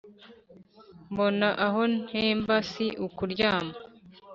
mbona aho ntemba si ukuryama.